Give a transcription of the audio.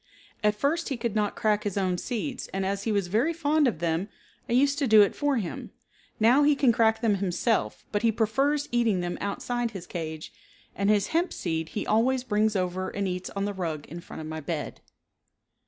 At first he could not crack his own seeds and as he was very fond of them I used to do it for him. Now he can crack them himself, but he prefers eating them outside his cage, and his hemp seed he always brings over and eats on the rug in front of my bed.